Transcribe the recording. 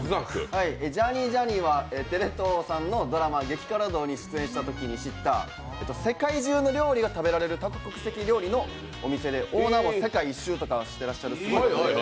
Ｊｏｕｒｎｅｙ×Ｊｏｕｒｎｅｙはテレ東さんのドラマに出演したときに知った世界中の料理が食べられる多国籍料理のお店でオーナーも世界１周とかをしていらっしゃるすごい方です。